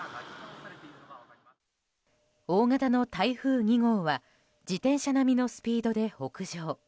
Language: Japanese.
大型の台風２号は自転車並みのスピードで北上。